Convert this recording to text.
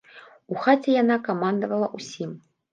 У хаце яна камандавала ўсім.